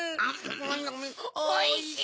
おいしい！